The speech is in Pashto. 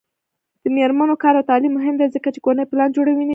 د میرمنو کار او تعلیم مهم دی ځکه چې کورنۍ پلان جوړونې ښه کوي.